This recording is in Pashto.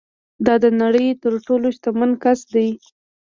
دا د نړۍ تر ټولو شتمن کس ده